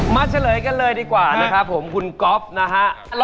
เฉลยกันเลยดีกว่านะครับผมคุณก๊อฟนะฮะ